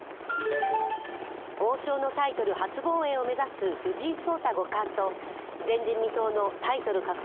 王将のタイトル初防衛を目指す藤井聡太五冠と前人未到のタイトル獲得